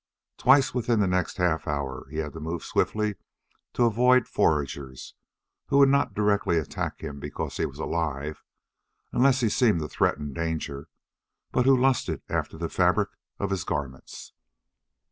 Twice within the next half hour he had to move swiftly to avoid foragers who would not directly attack him because he was alive unless he seemed to threaten danger but who lusted after the fabric of his garments.